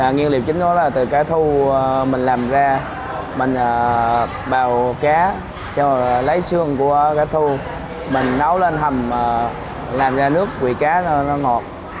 nước bún thơm làm ra nước quỷ cá ngọt